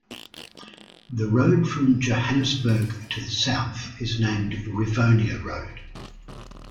The road from Johannesburg to the south is named Rivonia Road.